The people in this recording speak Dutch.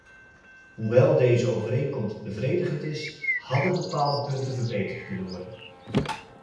Hoewel deze overeenkomst bevredigend is, hadden bepaalde punten verbeterd kunnen worden.